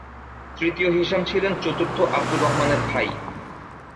তৃতীয় হিশাম ছিলেন চতুর্থ আবদুর রহমানের ভাই।